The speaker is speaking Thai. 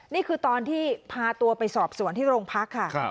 นี่คือตอนที่พาตัวไปสอบสวนที่โรงพักค่ะ